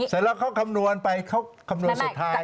เสร็จแล้วเขาคำนวณไปเขาคำนวณสุดท้าย